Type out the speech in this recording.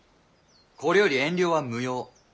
これより遠慮は無用。